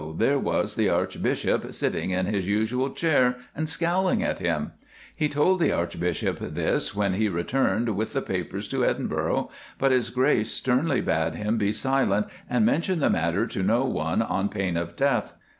there was the Archbishop sitting in his usual chair and scowling at him. He told the Archbishop this when he returned with the papers to Edinburgh, but his Grace sternly bade him be silent and mention the matter to no one on pain of death.